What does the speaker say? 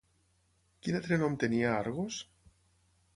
Quin altre nom tenia Argos?